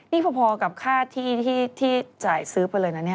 นี่พอกับค่าที่จ่ายซื้อไปเลยนะเนี่ย